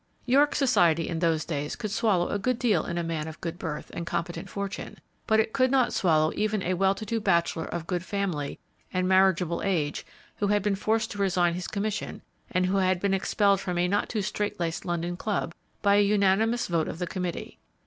York society in those days could swallow a good deal in a man of good birth and competent fortune, but it could not swallow even a well to do bachelor of good family and marriageable age who had been forced to resign his commission, and had been expelled from a not too straight laced London club, by a unanimous vote of the committee.